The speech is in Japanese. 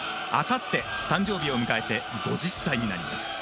あさって誕生日を迎えて５０歳になります。